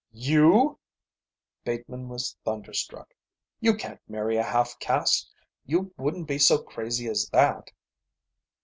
"You?" Bateman was thunderstruck. "You can't marry a half caste. You wouldn't be so crazy as that."